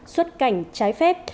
xuất cảnh trái phép